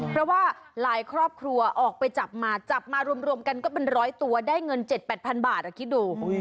เพราะว่าหลายครอบครัวออกไปจับมาจับมารวมกันก็เป็นร้อยตัวได้เงิน๗๘๐๐๐บาทคิดดู